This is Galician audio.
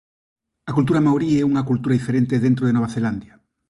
A cultura maorí é unha cultura diferente dentro de Nova Zelandia.